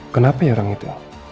kenapa ya orang itu